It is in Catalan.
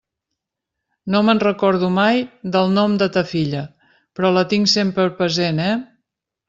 No me'n recordo mai del nom de ta filla, però la tinc sempre present, eh?